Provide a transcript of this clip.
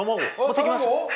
持ってきました。